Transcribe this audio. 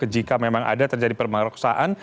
jika memang ada terjadi permaroksaan